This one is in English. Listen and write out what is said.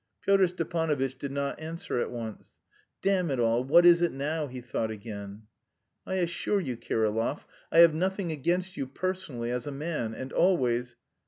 Pyotr Stepanovitch did not answer at once. "Damn it all, what is it now?" he thought again. "I assure you, Kirillov, I have nothing against you personally as a man, and always..."